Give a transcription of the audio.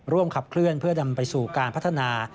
ขับเคลื่อนเพื่อนำไปสู่การพัฒนา